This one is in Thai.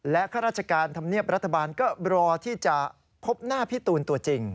ข้าราชการธรรมเนียบรัฐบาลก็รอที่จะพบหน้าพี่ตูนตัวจริง